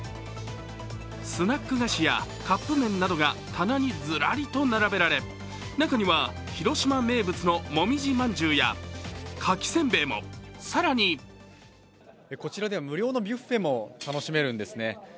スナック菓子やカップ麺などが棚にずらりと並べられ、中には、広島名物のもみじまんじゅうやかきせんべいも、更にこちらでは無料のビュッフェも楽しめるんですね。